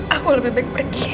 aku lebih baik pergi